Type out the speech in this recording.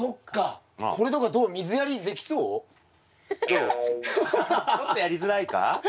ちょっとやりづらいか？